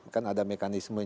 kan ada mekanisme